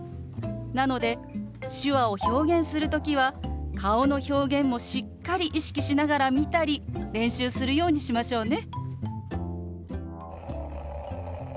なので手話を表現する時は顔の表現もしっかり意識しながら見たり練習するようにしましょうね。